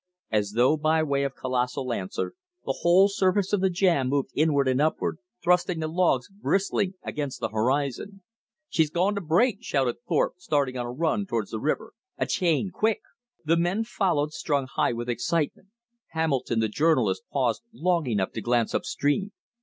As though by way of colossal answer the whole surface of the jam moved inward and upward, thrusting the logs bristling against the horizon. "She's going to break!" shouted Thorpe, starting on a run towards the river. "A chain, quick!" The men followed, strung high with excitement. Hamilton, the journalist, paused long enough to glance up stream.